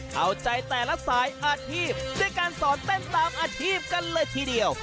เข้าใจแต่ละสายอาชีพด้วยการสอนเต้นตามอาชีพกันเลยทีเดียว